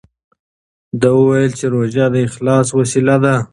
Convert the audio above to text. ده وویل چې روژه د اخلاص وسیله ده.